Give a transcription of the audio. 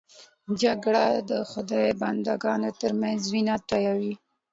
جګړه د خدای بنده ګانو تر منځ وینه تویوي